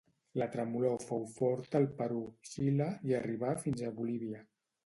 La tremolor fou forta al Perú, Xile i arribà fins a Bolívia.